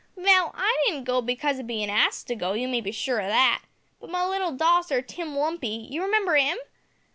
"Vell, I didn't go because of bein' axed to go, you may be sure o' that, but my little dosser, Tim Lumpy, you remember 'im?